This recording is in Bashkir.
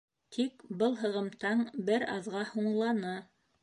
Тик был һығымтаң бер аҙға һуңланы.